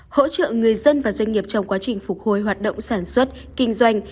hỗ trợ người dân và doanh nghiệp trong quá trình phục hồi hoạt động sản xuất kinh doanh